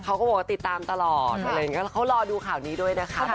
เขาก็บอกว่าติดตามตลอดเขารอดูข่าวนี้ด้วยนะคะ